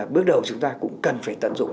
bước đầu chúng ta cũng cần phải tận dụng